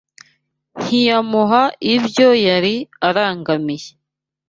ntiyamuha ibyo yari arangamiye